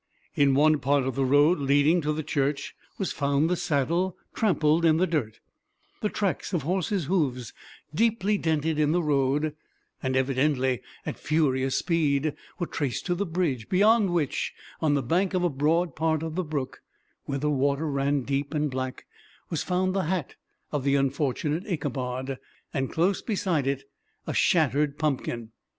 In one part of the road leading to the church was found the saddle trampled in the dirt; the tracks of horses' hoofs deeply dented in the road, and evidently at furious speed, were traced to the bridge, beyond which, on the bank of a broad part of the brook, where the water ran deep and black, was found the hat of the unfortunate Ichabod, and close beside it a shattered pumpkin.